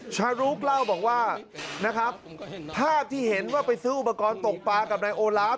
ชารุกเล่าบอกว่านะครับภาพที่เห็นว่าไปซื้ออุปกรณ์ตกปลากับนายโอลาฟ